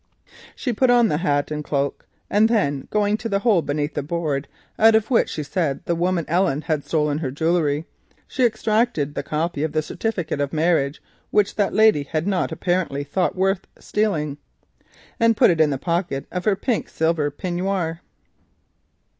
She put on the hat and cloak. Then going to the hole beneath the board, out of which she said the woman Ellen had stolen her jewellery, she extracted the copy of the certificate of marriage which that lady had not apparently thought worth taking, and placed it in the pocket of her pink silk peignoir.